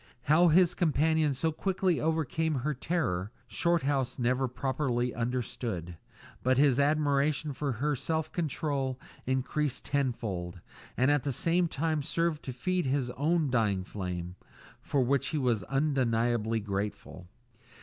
How his companion so quickly overcame her terror, Shorthouse never properly understood; but his admiration for her self control increased tenfold, and at the same time served to feed his own dying flame for which he was undeniably grateful.